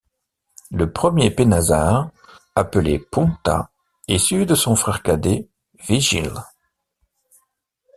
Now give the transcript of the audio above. Le premier Penasar appelé Punta est suivi de son frère cadet Wijil.